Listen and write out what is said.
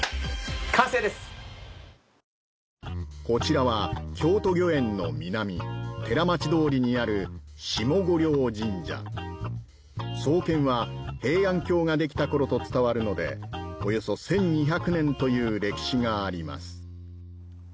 こちらは京都御苑の南寺町通にある下御霊神社創建は平安京ができたころと伝わるのでおよそ１２００年という歴史があります